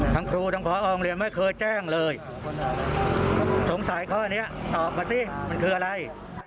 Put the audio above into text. ทั้งครูทั้งพอไม่เคยแจ้งเลยสงสัยข้อนี้ตอบมาสิมันคืออะไร